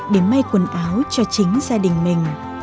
để may quần áo cho chính gia đình mình